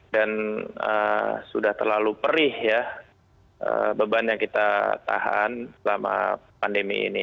dan sudah terlalu perih ya beban yang kita tahan selama pandemi ini